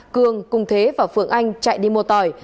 cường cùng thế và phượng anh chạy đi mua tỏi